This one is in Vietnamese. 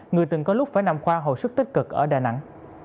người từng có lúc phải nằm khoa hồi sức tích cực ở đà nẵng